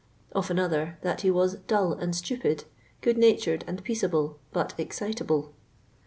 Of another that he was " dull and stupid, good« natured and peaceable, but excitable.'